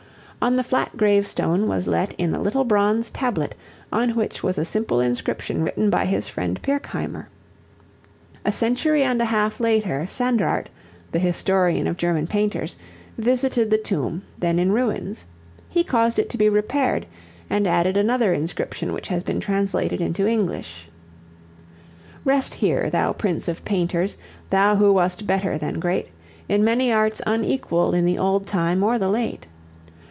On the flat gravestone was let in a little bronze tablet on which was a simple inscription written by his friend Pirkheimer. A century and a half later Sandrart, the historian of German painters, visited the tomb, then in ruins. He caused it to be repaired and added another inscription which has been translated into English: "Rest here, thou Prince of Painters! thou who wast better than great, In many arts unequaled in the old time or the late.